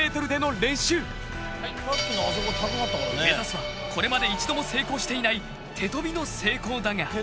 目指すはこれまで一度も成功していない手跳びの成功だが。